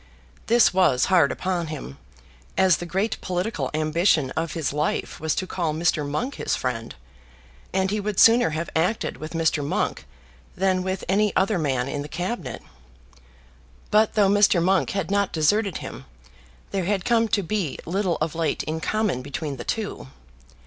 This was hard upon him, as the great political ambition of his life was to call Mr. Monk his friend; and he would sooner have acted with Mr. Monk than with any other man in the Cabinet. But though Mr. Monk had not deserted him, there had come to be little of late in common between the two.